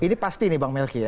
ini pasti nih bang melki ya